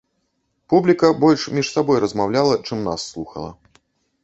Публіка больш між сабой размаўляла, чым нас слухала.